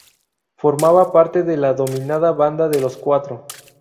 Formaba parte de la denominada Banda de los Cuatro.